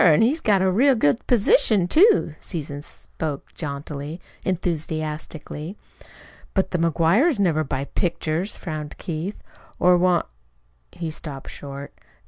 An' he's got a real good position, too." Susan spoke jauntily, enthusiastically. "But the McGuires never buy pictures," frowned Keith, "or want " He stopped short.